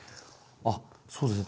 あっそうですね。